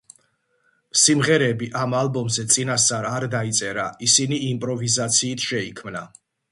სიმღერები ამ ალბომზე წინასწარ არ დაიწერა, ისინი იმპროვიზაციით შეიქმნა.